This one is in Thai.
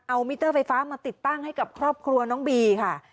เอามิเตอร์ไฟฟ้ามาติดตั้งให้กับครอบครัวน้องบีค่ะ